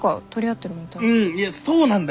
うんいやそうなんだよ。